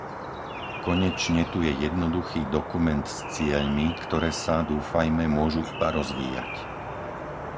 Konečne tu je jednoduchý dokument s cieľmi, ktoré sa dúfajme môžu iba rozvíjať.